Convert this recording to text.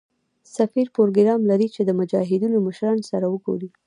سفیر پروګرام لري چې له مجاهدینو مشرانو سره وګوري.